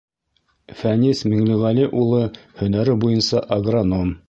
Фәнис Миңлеғәли улы һөнәре буйынса агроном.